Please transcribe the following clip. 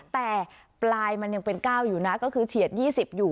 แต่ปลายมันยังเป็น๙อยู่นะก็คือเฉียด๒๐อยู่